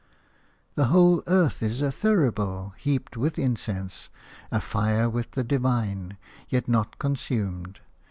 The whole earth is a thurible heaped with incense, afire with the divine, yet not consumed.